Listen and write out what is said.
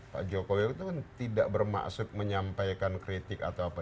pak jokowi itu kan tidak bermaksud menyampaikan kritik atau apa